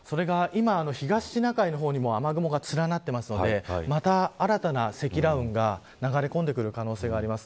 今、東シナ海の方にも雨雲が連なっているのでまた、新たな積乱雲が流れ込んでくる可能性があります。